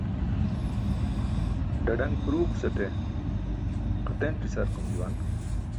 Ḍaḍaṅ phurukusate ġatenc̣ isakurum juwan